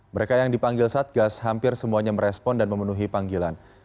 mereka yang dipanggil satgas hampir semuanya merespon dan memenuhi panggilan